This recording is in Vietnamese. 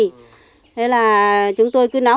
thế là chúng tôi cứ nói